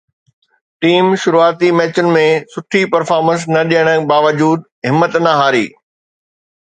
team شروعاتي ميچن ۾ سٺي پرفارمنس نه ڏيڻ باوجود همت نه هاري